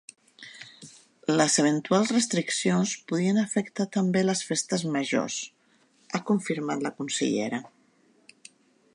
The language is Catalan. Les eventuals restriccions podrien afectar també les festes majors, ha confirmat la consellera.